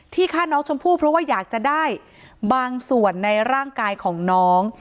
ฆ่าน้องชมพู่เพราะว่าอยากจะได้บางส่วนในร่างกายของน้อง